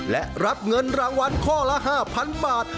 และรับเงินรางวัลข้อละ๕๐๐๐บาท